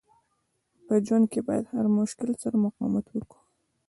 په ژوند کښي باید د هر مشکل سره مقاومت وکو.